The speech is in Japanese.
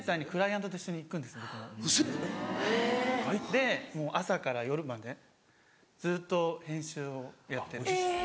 でもう朝から夜までずっと編集をやってるんです。